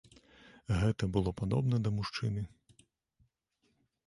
Гэта было падобна да мужчыны.